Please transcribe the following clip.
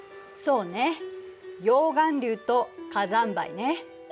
そうね溶岩流と火山灰ね。